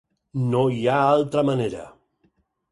No hi ha altra manera.